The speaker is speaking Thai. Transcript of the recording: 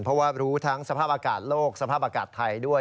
เพราะว่ารู้ทั้งสภาพอากาศโลกสภาพอากาศไทยด้วย